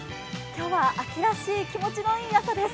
今日は、秋らしい気持ちのいい朝です。